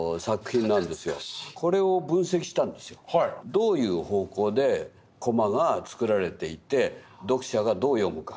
どういう方向でコマが作られていて読者がどう読むか。